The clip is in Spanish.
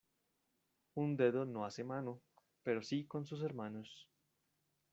Un dedo no hace mano, pero sí con sus hermanos.